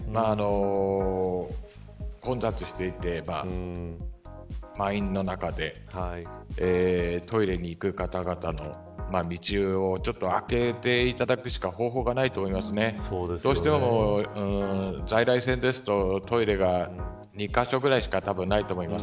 混雑していて満員の中でトイレに行く方々の道をちょっと空けていただくしか方法がないと思いますどうしても、在来線ですとトイレが２カ所くらいしかたぶんないと思います。